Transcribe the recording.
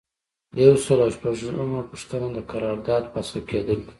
یو سل او شپږمه پوښتنه د قرارداد فسخه کیدل دي.